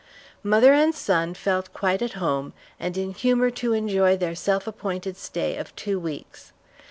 Mother and son felt quite at home, and in humor to enjoy their self appointed stay of two weeks.